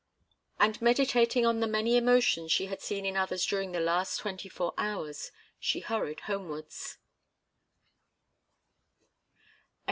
And meditating on the many emotions she had seen in others during the last twenty four hours, she hurried homewards.